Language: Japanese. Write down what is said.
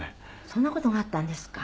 そんな事があったんですか。